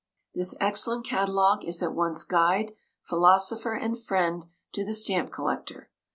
This excellent catalogue is at once guide, philosopher, and friend to the stamp collector.